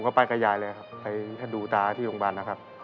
ก็ไปกับยายเลยครับไปดูตาที่โรงพยาบาลนะครับ